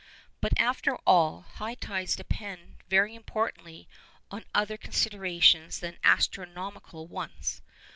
But, after all, high tides depend very importantly on other considerations than astronomical ones.